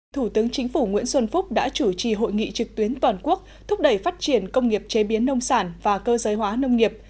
thủ tướng chính phủ nguyễn xuân phúc đã chủ trì hội nghị trực tuyến toàn quốc thúc đẩy phát triển công nghiệp chế biến nông sản và cơ giới hóa nông nghiệp